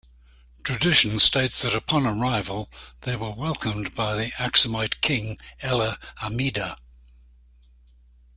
Tradition states that upon arrival they were welcomed by the Axumite king Ella Amida.